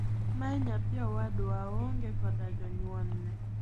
Mae nyathi owadwa oong'e koda jonyuolne.